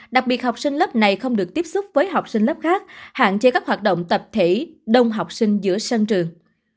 đặc biệt học sinh lớp này không được tiếp xúc với học sinh lớp khác hạn chế các hoạt động tập thể đông học sinh giữa sân trường